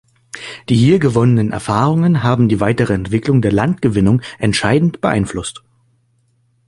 Die hier gewonnenen Erfahrungen haben die weitere Entwicklung der Landgewinnung entscheidend beeinflusst.